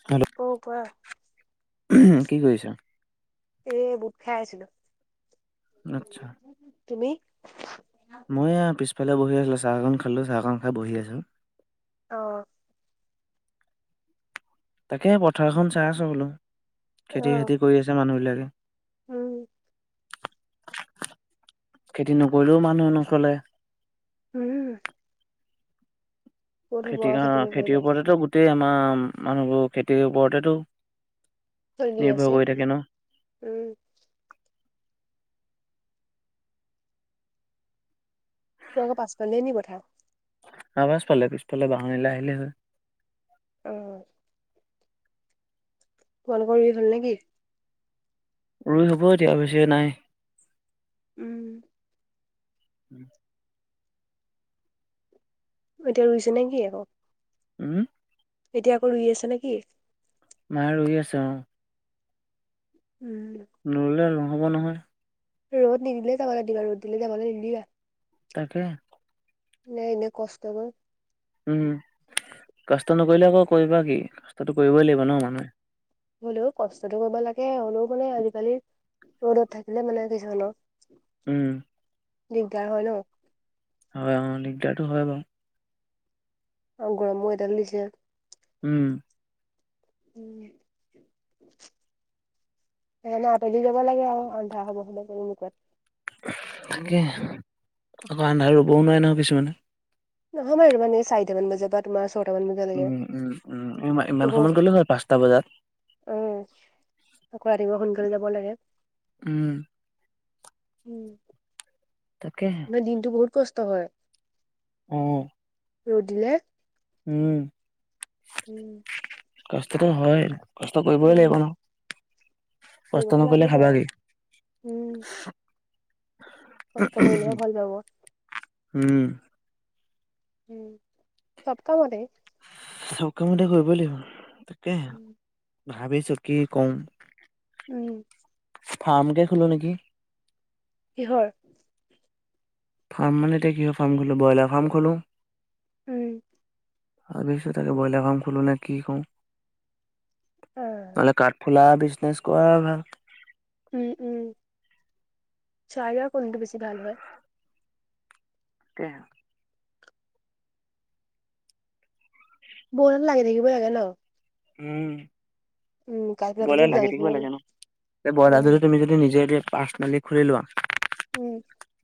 Hello? অ'! কোৱা? উম, কি কৰিছা? এ, বুট খাই আছিলোঁ। আচ্ছা! তুমি? মই এইয়া, পিছফালে বহি আছিলোঁ, চাহ অকণ খালোঁ, চাহ অকণ খাই বহি আছোঁ। অ'। তাকে পথাৰখন চাই আছো বোলোঁ। খেতি অ চেতী কৰি আছে মানুহ বিলাকে। উম। খেতি নকৰিলেও মানুহে নচলে। উম ক'ত হ'ব খেতি আৰু ঘাঁ খেতি নকৰিলে ওপৰতে গোটেই আমাৰ মানুহবোৰ খেতিৰ ওপৰতেটো চলি আছে, উম। তোমালোকৰ পাছফালে নি পথাৰ। ৱাজ পালে পিছফালে বাহনিলে আহিলে হয়। অ। তোমালোক [unintelligible] হল নেকি। ৰুই হ'ব এতিয়া বেছিকে নাই। উম। এতিয়া ৰুইছে নে কি আকৌ? উম। এতিয়া আকৌ ৰুই আছে নে কি? মায়ে ৰুই আছে অ। উম। নৰুলে নহ'ব নহয়। ৰ'দ নিদিলে যাবলে দিবা, ৰদ দিলে যাবলে নিদিবা। তাকে। নাই এনেই কষ্টবোৰ উম কষ্ট নকৰিলে আকৌ কৰিবা কি কষ্টটো কৰিবই লাগিব ন মানুহে। হলেও কষ্টটো কৰিব লাগে, হ'লেও মানে আজিকালি [unintelligible] থাকিলে মানে যি ধৰনৰ। উম দিগদাৰ হয় ন। হয় অ দিগদাৰটো হয় বাওঁ। অ গৰম কৰি তেল দিছে। উম। উম [inaudible] সেইকাৰণে আঁতৰেদি যাব লাগে আৰু আন্ধা সময় [unintelligible] তাকে আকৌ আন্ধা ৰুবও নোৱাৰে নহয় কিছুমানে। নহয় আৰু মানে চাৰিটা মান বজা পাত তোমাৰ ছয়টামান বজাত। উম উম উম ইমান সময়ত গ'লো হয় পাঁচটা বজাত। উম আকৌ ৰাতিৰ সোনকালে যাব লাগে। উম। [inaudible] তাকে দিনতটো বহুত কষ্ট হয়। অঁ। ৰ'দ দিলে। উম। উম। কষ্টতো হয়, কষ্ট কৰিবই উম, লাগিব নহ। কষ্ট কৰিবতো নকৰিলে লাগিবই খাবা আৰু। কি। উম, কষ্ট কৰিলেহে ফল পাব। উম'। [unintelligible] সপ্তাহ মতে চব কামতে কৰিব লাগিব তাকেহে ভাবিছোঁ কি কম। উম। ফাৰ্ম কে খোলো নেকি। কিহৰ। ফাৰ্ম মানে এতিয়া কিহৰ ফাৰ্ম খোলো ব্ৰইলাৰ ফাৰ্ম খোলো। উম, ভাবিছোঁ তাকে ব্ৰইলাৰ ফাৰ্ম খোলো নে কি কৰোঁ। আহ মানে কাঠফুলা বিজনেচ কৰা ভাল। উম, উম চাইলোৱা কোনটো বেছি ভাল হয়। কে। [inaudible] লাগি থাকিব লাগে ন। উম। ব্ৰইলাৰ লাগি থাকিব লাগে ন এই ব্ৰইলাৰ উম, যদি তুমি যদি নিজাকে পাছ। মেলি খুলি লোৱা। উম।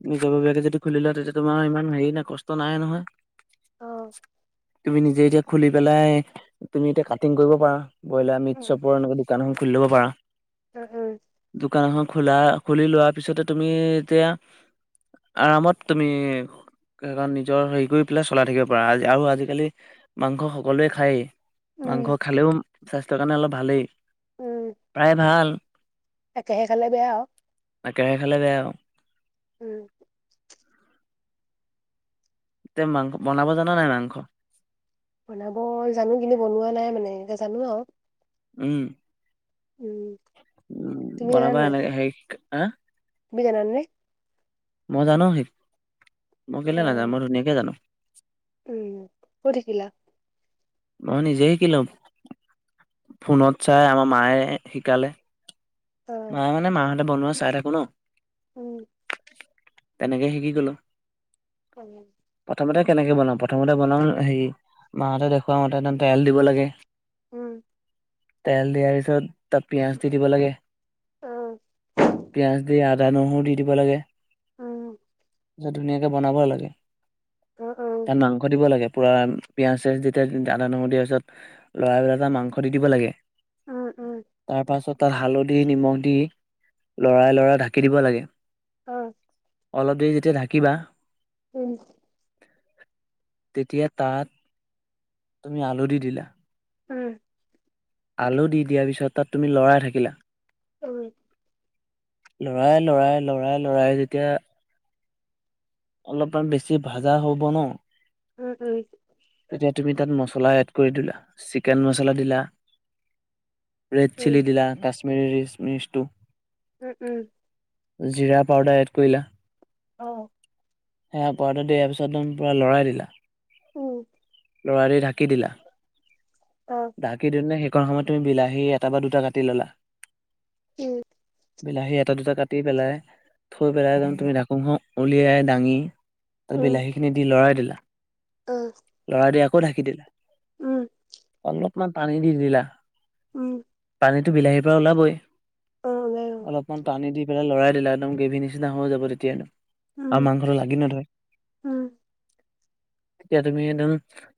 নিজৰ ভগীয়াকে যদি খুলি লোৱা, তেতিয়া তোমাৰ ইমান হেৰি নাই, কষ্ট নাই নহয়। অ', তুমি নিজে এতিয়া খুলি পেলাই, তুমি এতিয়া কাটিং কৰিব পাৰা। ব্ৰইলাৰ উম, মিটশ্বপৰ এনেকুৱা দোকান এখন খুলি লব পাৰা। উম, উম। দোকান এখন খোলা, খুলি লোৱা পিছতে তুমি এতিয়া। আৰামত তুমি। সেইকণ নিজৰ হেৰি কৰি পেলাই চলাই থাকিব পাৰা আজি আৰু আজিকালি মাংস সকলোৱে খায়েই। মাংস উম, খালেও স্বাস্থ্যৰ কাৰণে অলপ ভালেই প্ৰায় ভাল। কেহে খালে বেয়া আৰু। একেৰাহে খালে বেয়া আও। উম। তে মাং বনাব জানা নাই মাংস। বনাব জানো কিন্তু বনোৱা নাই মানে, এতিয়া নাজানো আৰু। উম। উম। উম তুমি জানা বনাবা নাই এনেকে হেৰি, হা। তুমি জানানে। মই জানো হি মই অ কেলেই নাজানো মই ধুনীয়াকে জানো। উম ক'ত শিকিলা। মই নিজে শিকিলো ফোনত চাই, আমাৰ মায়ে শিকালে। অ মই মানে, মাহঁতে বনোৱা চাই থাকোঁ ন। উম। তেনেকে শিকি গ'লো। অ। প্ৰথমতে কেনেকে বনাম, প্ৰথমতে বনাম হেৰি, মাহঁতে দেখুওৱা হেতেন তেল দিব লাগে। উম। তেল দিয়াৰ পিছত, তাত পিয়াঁজ দি দিব লাগে। অ। পিয়াঁজ দি, আদা নহৰু দি দিব লাগে। উম, ত, ধুনীয়াকে বনাব লাগে। অ অ তাত মাংস দিব লাগে, পুৰা পিঁয়াজ-চিয়াজ যেতিয়া আদা নহৰু দিয়াৰ পিছত, লৰাই- লৰাই তাত মাংস দি দিব লাগে। উম, উম, তাৰ পাছত, তাত হালধি, নিমখ দি লৰাই-লৰাই ঢাকি দিব লাগে। উম, অলপ দেৰি যেতিয়া ঢাকিবা উম, তেতিয়া তাত, তুমি আলু দি দিলা। উম, আলু দি দিয়াৰ পিছত, তাত তুমি লৰাই থাকিলা। উম, লৰাই, লৰাই, লৰাই, লৰাই, যেতিয়া অলপমান, বেছি ভজা হ'ব ন। উম, উম, তেতিয়া তুমি তাত মছলা এড কৰি দিলা, চিকেন মছলা দিলা। ৰেড চিলি দিলা, কাশ্মীৰি ৰিচ-মিচটো। উম, উম, জিৰা পাউদাৰ এড কৰিলা। অ, সেয়া পয়াটো দিয়াৰ পিছত, একদম পুৰা লৰাই দিলা। অ, লৰাই দি ঢাকি দিলা। অহ, ঢাকি দিওনে সেইখন সময়ত তুমি বিলাহী এটা বা দুটা কাটি ল'লা। উম, বিলাহী এটা, দুটা কাটি পেলাই থৈ পেলাই, একদম তুমি ঢাকোনখন উলিয়াই দাঙি, ত, বিলাহীখিনি দি লৰাই দিলা। উম, লৰাই‌ দি আকৌ ঢাকি দিলা, অলপমান পানী দি দিলা। অ উম, পানীতটো বিলাহীৰ পৰা ওলাবই, অ বাৰু অলপ। অকমান পানী দি পেলাই, লৰাই দিলা একদম গ্ৰেভি নিচিনা হৈ যাব তেতিয়া, উম আৰু মাংসটো লাগি নধয়। উম, তেতিয়া তুমি একদম,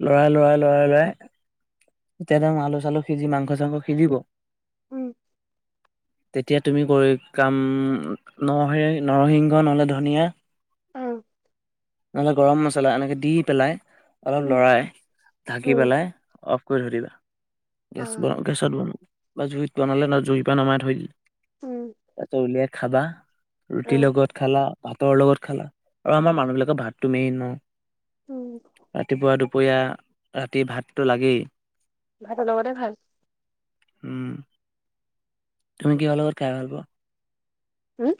লৰাই লৰাই, লৰাই, লৰাই, তেতিয়া ধৰ আলু-চালু সিজি, মাংস-চাংস সিজিব। উম, তেতিয়া তুমি কৰি, কাম নৰসি, নৰসিংহ নহ'লে ধনিয়া। অ, নহ'লে গৰম মছলা এনেকে দি পেলাই, অলপ উম লৰাই উম ঢাকি পেলাই, অফ কৰি থৰি দিবা, অ গেছ বনাব। গেছত বন, বা জুইত বনালে না, জুই পা নমাই থৈ দি উম তাতে উলিয়াই খাবা, অ ৰুটিৰ লগত খালা। ভাতৰ লগত খালা আৰু আমাৰ মানুহ বিলাকে ভাতটো মেইন ন, উম ৰাতিপুৱা দু দুপৰীয়া ৰাতি ভাতটো লাগেই। ভাত লগতে ভাল। উম। তুমি কি ভাল কৰ খাই ভাল পোৱা। হুম।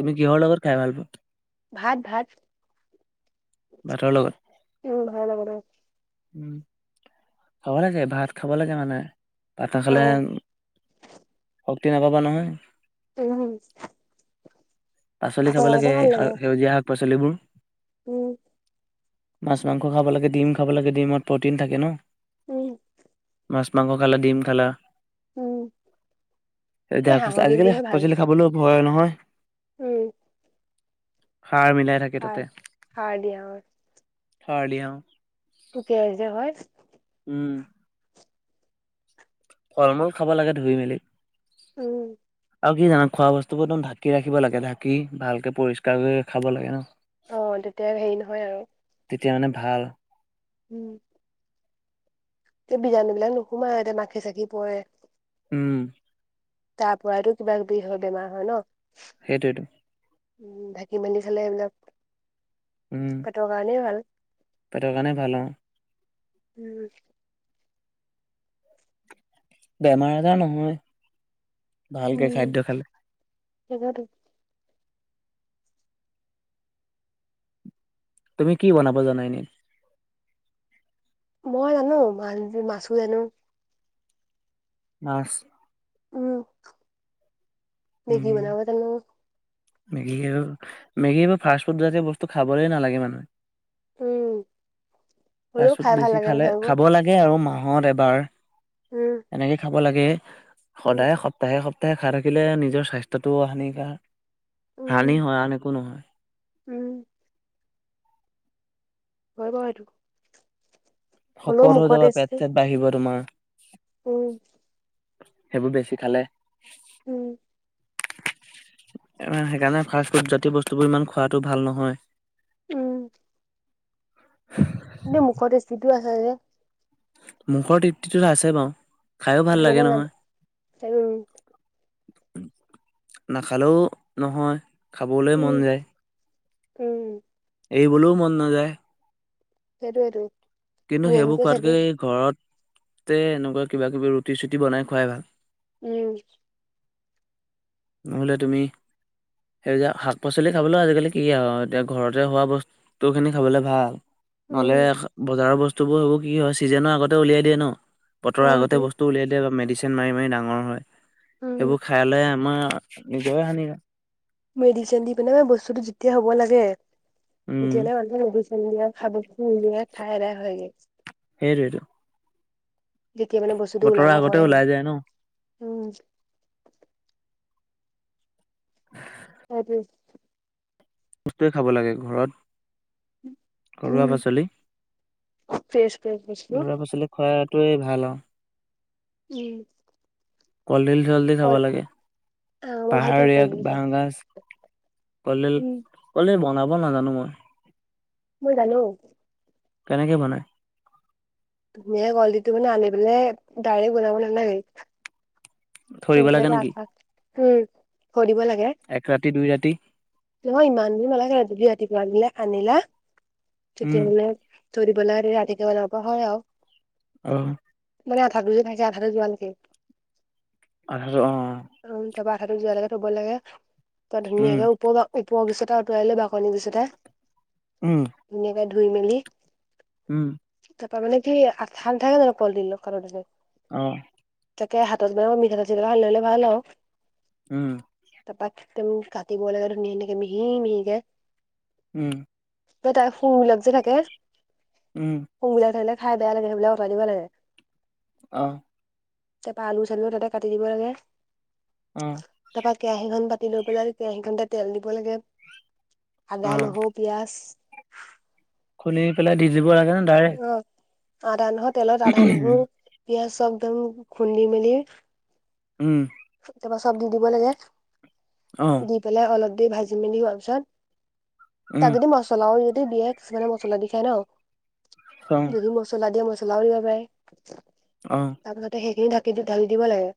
তুমি কিহৰ লগত খাই ভাল পোৱা। ভাত ভাত। ভাটৰ লগত। উম ভাতৰ লগত অ। উম খাব লাগে ভাত খাব লাগে মানে। ভাত অ নাখালে শক্তি নাপাবা নহয়। [unintelligible] পাচলি ভাতৰ খাব লগতে লাগে ভাল সেউজীয়া শাক পাচলিবোৰ। উম। মাছ মাংস খাব লাগে ডিম খাব লাগে ডিমত প্ৰটিন থাকে ন। উম। মাছ মাংস খালে ডিম খালা। উম [inaudible] এই হাঁহৰ আজিকালি দিনটোহে শাক ভাল পাচলি খাবলৈও ভয় নহয়। উম। সাৰ মিলাই থাকে হয় তাতে সাৰ দিয়া হয় সাৰ দিয়া। পোকিয়াৰ যে হয়। উম। ফল মূল খাব লাগে ধুই মেলি। উম। আৰু কি জানো খোৱা বস্তুবোৰ একদম ঢাকি ৰাখিব লাগে ঢাকি ভালকে পৰিষ্কাৰ কৰি খাব লাগে ন। অ তেতিয়া হেৰি নহয় আও। তেতিয়া মানে ভাল। উম। তে বিজাণু বিলাক নোসোমায় এতিয়া মাখি চাখি পয়ে। উম। তাৰ পৰাই টো কিবা কিবি হয় বেমাৰ হয় ন। সেইটোৱেটো। উম ঢাকি মেলি খালে এইবিলাক। উম পেটৰ কাৰনেই ভাল। পেটৰ কাৰণে ভাল অ। উম। বেমাৰ আজাৰ নহয় ভালকে খাদ্য খালে। তাকেটো। তুমি কি বনাব জানা এনে। মই জানো মা মাছো জানো। মাছ। উম। মেগী উম। বনাব জানো মেগী এইবোৰ মেগী এইবোৰ ফাষ্ট ফুড জাতীয় বস্তু খাবলৈয়ে নালাগে মানুহে উম। হ'লেও ফাৰ্ষ্টফুড খাই ভাল বেছি লাগে খালে নহয় এইবোৰ খাব লাগে আৰু মাহত এবাৰ। উম। এনেকে খাব লাগে উম সদায় সপ প্তাহে সপ্তাহে খাই থাকিলে নিজৰ স্বাস্থ্যটো হানিকাৰ হানি উম, হয় আন একো নহয়। উম। হয় বাৰু এইটো। শকত হৈ যাবা পেট টেষ্টি চেট বাঢ়িব তোমাৰ। উম। সেইবোৰ বেছি খালে। উম। সেইকাৰণে ফাষ্ট ফুড জাতীয় বস্তুবোৰ ইমান খোৱাটো ভাল নহয়। উম। কিন্তু মুখৰ টেস্টিটো আছে যে। মুখৰ তৃপ্তিটো আছে বাৰু খাইও ভাল সেইটো লাগে কাৰণে নাম উম, নহয়। নাখালেও নহয় খাবলৈ উম, মন যায়। উম। এৰিবলৈও মন নাযায়। সেইটোৱেই টো। কিন্তু সেইবোৰ খোৱাতকে ঘৰতে এনেকুৱা কিবা কিবি ৰুটি চুটি বনাই খুৱাই ভাল। উম। নহলে তুমি সেই যে শাক পাচলি খাবলৈও আজিকালি কি আৰু এতিয়া ঘৰতে হোৱা বস্তুখিনি খাবলৈ ভাল। উম, নহ'লে বজাৰৰ বস্তুবোৰ সেইবোৰ কি হয় চিজনৰ আগতে উলিয়াই দিয়ে ন। বতৰৰ অ', আগতে ঠিক বস্তু উলিয়াই দিয়ে বা মেডিচিন মাৰি মাৰি ডাঙৰ হয় উম, সেইবোৰ খাই লৈ আমাৰ নিজৰে হানি হয়। মেডিচন দি পিনে ম বস্তুতটো যেতিয়া হ'ব লাগে উম তেতিয়ালে মানুহে নুবুজে [unintelligible] হে টোৱে টো। যেতিয়া মানে বস্তুটো বতৰৰ ওলাব আগতে হয় আৰু, ওলাই যায় ন উম। [unintelligible] হে টোৱে। বস্তৱে খাব লাগে ঘৰত ঘৰুৱা উম, পাচলি ফ্ৰেছ ফ্ৰেছ বস্তু ঘৰুৱা পাচলি খোৱাটোৱে ভাল আৰু। উম। কলডিল চলদিল খাৱ কল লাগে অ', মই ভাল পাওঁ পাহাৰীয়া কলডিল খাই বাঁহ গাজ কলডিল উম, কলডিল বনাব নাজানো মই। মই জানো। কেনেকৈ বনায়। ধুনীয় কলডিলটো মানে আনি পেলাই ডাইৰেক্ট বনাব নালাগে। থৈ সক দিব আ লাগে নেকি উম ভ থৈ দিব লাগে। এক ৰাতি দুই ৰাতি নহয় ইমান দিন নালাগে ৰাধি ৰাতিপুৱা আনিলে আনিলা উম তেতিয়াহলে থৈ দি পেলে ৰাতিকে বনাব পৰা হয় আৰু। অ'। মানে আ দু যে নাইছে আটো যোৱা নেকি অধাটো অ। অ ত বঠটো য লে তটোব লাগে ত উম ধে উপপা। ওপৰ গচটা উটাইল বাকনি গছচটা। উম। ধুনীয়াকে ধুই মেলি। উম। তাৰ পৰা মানে কি ঠান নাথাকে জানো কলদিল [inaudible] অ। তাতে হাতত মানে মঠাতেল চিথাতেল সানি ললে ভাল আৰু। উম। [inaudible] কাতিব লাগে মানে মিহি মিহি কে। উম। [unintelligible] উম। সোবিলাক থাকে খাই বেয়া লে সেইবাকত দ লাগে। অ। তাপা আলু চালুও তাতে কাটি দিব লাগে। অ তাৰ পৰা কেৰাহীখন পাতি লৈ পেলাই কেৰাহীখনতে তেল দিব লাগে অ আদা নহৰু। পিঁয়াজ। খুলি পেলাই দি দিব লাগে নে দাৰে। অ আদা নহ তেলত আদা নহো পিয়াজ চকদম খুন্দি মেলি। উম। তাপা চব দি দিব লাগে অ দি পেলাই অলপ দে ভাজি মেলি হোৱাৰ পিছত। উম তাত যদি মছলাও যদি দিয়ে কিছুমানে মছলা দি খায় ন। অ যদি মছলা দিয়া মছলাও দিব পাৰে। অ। তাৰপিছতে সেইখিন ঢাকি ঢাকি দিব লাগে।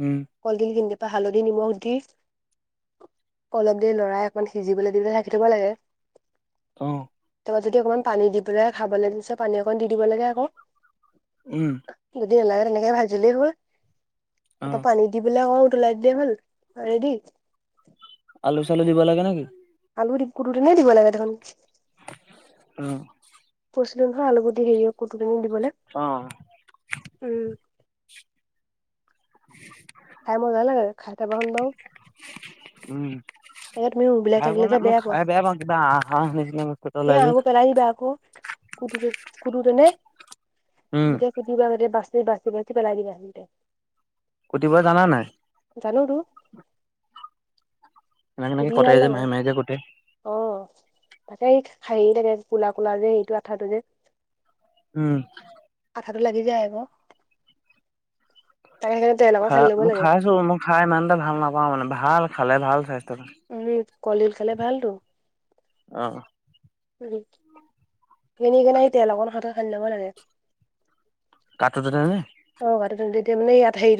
উম। কলডিল [inaudible] পা হালধি নিমখ দি। অলপ দেৰি লৰাই অকণমান সিজিবলৈ দিলৈ ধাকি থব লাগে। অ। [inaudible] যদি অকমান পানী দি পেলাই খাবলৈ বিচাৰে পানী অকণ দি দিব লাগে আকৌ। উম। যদি নালাগে তেনেকে ভাজিলেই হ'ল। অ তাপা পানী দি পেলাই অকমান উতলাই দিলে হল ৰেডি। আলু চালু দিব লাগে নেকি। আলু পুৰ নে দিব লাগে দেখোন। উম। কৈছিলো নহয় আলুগটি হেৰি কোটিকেনে দিবলে অ উম। [unintelligible] খাই মজা লাগ খাই চাবাচোন বাৰু। উম। তাকে তুমি উবিলাক খাই পোৱা থাকিলে যে নাই মই পোৱা খাই বেয়া পাও কিবা আহা আহ নিচিনা বস্তু এটা ওলাই যে। [unintelligible] কুটে কুটোতেনে, উম যেতিয়া কুতিবা যেতিয়া বাছি বাছি বাছি পেলাই দিবা [unintelligible] কুটিব জানা নাই? জানোটো। এনেক এনেক কুটি কটাই ভাল যে লাগে মায়ে মায়ে যে কোতে অ তাকে এই হেৰি তাকে কোলা কোলা যে হেটো আঠাটো যে উম। আঠাটো লাগি যায় আক তাই সেই খা মই খাইছো মই খাই ইমান এটা ভাল নাপাওঁ মানে ভাল খালে ভাল স্বাস্থ্যটোলে। এনেই কলদিল খালে ভালটো। অ। যি যেনি কেনে এই তিল অকণ হাতত হানি লব লাগে। কাটোতেনেই অ কাটোতে তেমনেই ইয়াত হেই